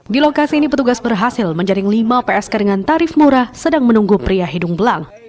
di lokasi ini petugas berhasil menjaring lima psk dengan tarif murah sedang menunggu pria hidung belang